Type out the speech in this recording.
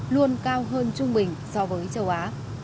luôn cao hơn trung bình so với châu á